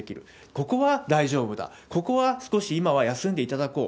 ここは大丈夫だ、ここは少し今は休んでいただこう。